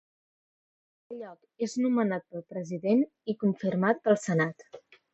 El lloc és nomenat pel president i confirmat pel Senat.